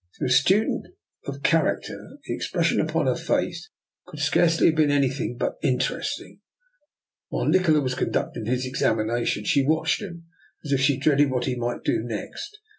To a student of character, the expression upon her face could scarcely have been anything but interesting. While Nikola was conduct ing his examination, she watched him as if she dreaded what he might do next.